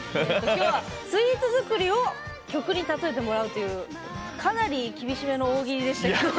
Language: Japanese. きょうはスイーツ作りを曲にたとえてもらうというかなり厳しめの大喜利でしたけど。